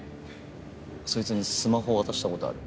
そいつにスマホ渡したことある？